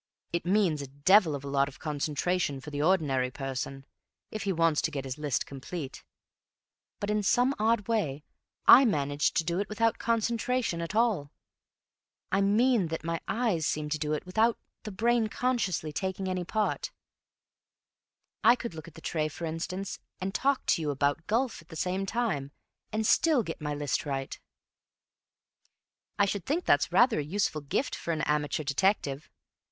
It means a devil of a lot of concentration for the ordinary person, if he wants to get his list complete, but in some odd way I manage to do it without concentration at all. I mean that my eyes seem to do it without the brain consciously taking any part. I could look at the tray, for instance, and talk to you about golf at the same time, and still get my list right." "I should think that's rather a useful gift for an amateur detective.